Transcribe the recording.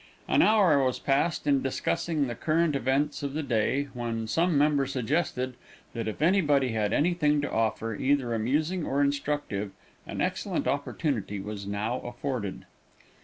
An hour was passed in discussing the current events of the day, when some member suggested, that if anybody had anything to offer, either amusing or instructive, an excellent opportunity was now afforded.